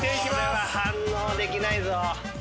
これは反応できないぞ。